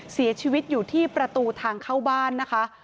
เสียชีวิตอยู่ที่ประตูทางเข้าบ้านนะคะ